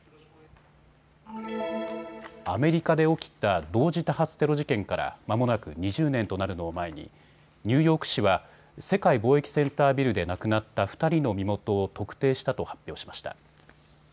アメリカで起きた同時多発テロ事件からまもなく２０年となるのを前にニューヨーク市は世界貿易センタービルで亡くなった２人の身元を特定したと発表しました。